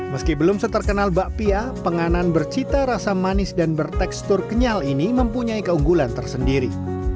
meski belum seterkenal bakpia penganan bercita rasa manis dan bertekstur kenyal ini mempunyai keunggulan tersendiri